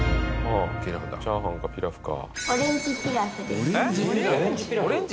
チャーハンかピラフか。